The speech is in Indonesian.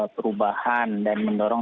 perubahan dan mendorong